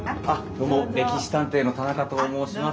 どうも「歴史探偵」の田中と申します。